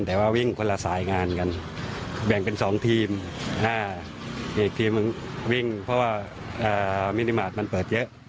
แต่ว่าวิ่งคนละสายงานกันแบ่งเป็น๒ทีม๕อีกทีมหนึ่งวิ่งเพราะว่ามินิมาตรมันเปิดเยอะ